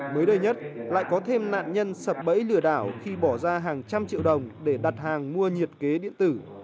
mới đây nhất lại có thêm nạn nhân sập bẫy lừa đảo khi bỏ ra hàng trăm triệu đồng để đặt hàng mua nhiệt kế điện tử